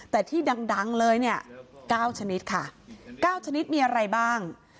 แต่ที่ดังเลยเนี่ย๙ชนิดค่ะ๙ชนิดมีอะไรบ้าง